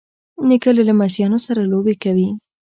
نیکه له لمسیانو سره لوبې کوي.